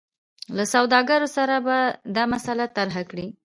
له سوداګرو سره به دا مسله طرحه کړي.